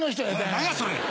何やそれ！